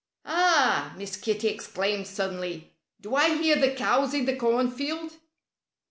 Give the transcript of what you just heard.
"Ha!" Miss Kitty exclaimed suddenly. "Do I hear the cows in the cornfield?"